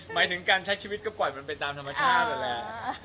หมายถึงการใช้ชีวิตก็ปล่อยมันไปตามธรรมชาตินั่นแหละ